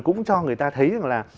cũng cho người ta thấy rằng là